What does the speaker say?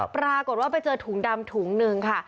ปรากฏว่าไปเจอถุงดำถุงหนึ่งค่ะ